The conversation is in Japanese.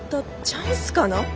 チャンスかな？」。